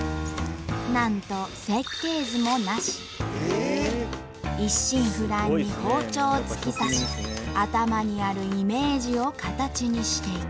なんと一心不乱に包丁を突き刺し頭にあるイメージを形にしていく。